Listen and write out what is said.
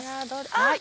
あっ！